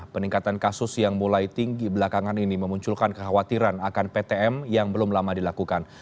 peningkatan kasus yang mulai tinggi belakangan ini memunculkan kekhawatiran akan ptm yang belum lama dilakukan